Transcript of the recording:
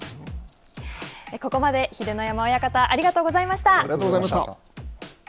ここまで秀ノ山親方、ありがとうございました。